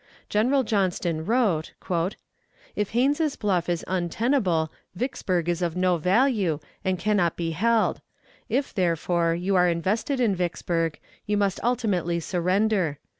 General Johnston wrote: "If Haines's Bluff is untenable, Vicksburg is of no value and can not be held. If, therefore, you are invested in Vicksburg, you must ultimately surrender.